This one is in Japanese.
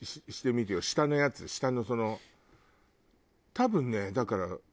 多分ねだから。